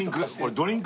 ドリンク。